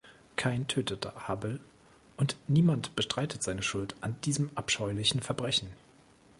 Kain tötete Abel, und niemand bestreitet seine Schuld an diesem abscheulichen Verbrechen.